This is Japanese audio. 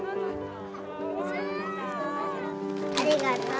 ありがとう。